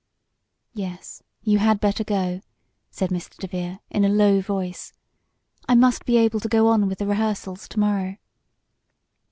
"Yes, you had better go," said Mr. DeVere in a low voice. "I must be able to go on with the rehearsals to morrow."